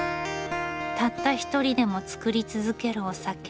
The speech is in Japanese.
たった一人でも造り続けるお酒。